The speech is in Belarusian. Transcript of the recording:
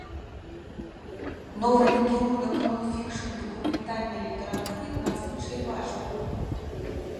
Новы накірунак нон-фікшн дакументальнай літаратуры надзвычай важны.